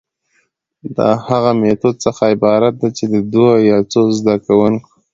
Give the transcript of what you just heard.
د هغه ميتود څخه عبارت دي چي د دوو يا څو زده کوونکو،